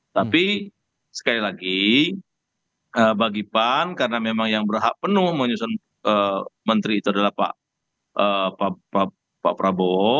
tapi sekali lagi bagi pan karena memang yang berhak penuh menyusun menteri itu adalah pak prabowo